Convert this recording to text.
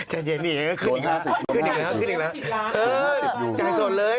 แต่เดียวหนีอ่ะขึ้นอีกแล้วขึ้นอีกแล้วจากส่วนเลย